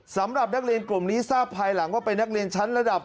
สำหรับนักเรียนกลุ่มนี้ทราบภายหลังว่าเป็นนักเรียนชั้นระดับ